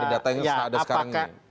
dari data yang ada sekarang ini